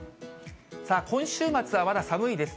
さあ今週末はまだ寒いです。